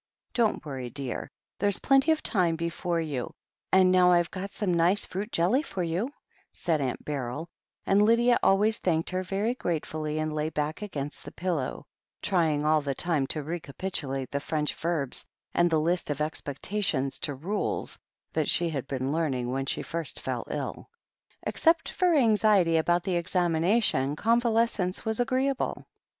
"Don't worry, dear, there's plenty of time before you, and now I've got some nice fruit jelly for you," said Aunt Beryl, and Lydia always thanked her very gratefully and lay back against the pillow, trying all the time to recapitulate the French verbs and the list of Exceptions to Rules that she had been learning when she first fell ill. Except for anxiety about the examination, con valescence was agreeable.